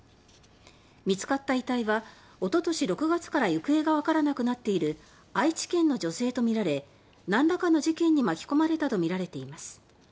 見つかった遺体はおととし６月から行方がわからなくなっている愛知県の女性とみられ何らかの事件に巻き込まれたとみられています。